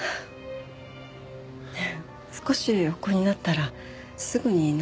少し横になったらすぐに治るんです。